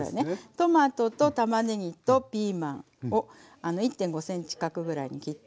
トマトとたまねぎとピーマンを１．５ｃｍ角ぐらいに切って。